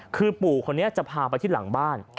คือปู่คนนี้จะพาไปที่หลังบ้าน